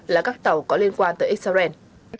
là các tàu có liên quan tới israel